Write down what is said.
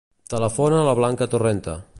Telefona a la Blanca Torrente.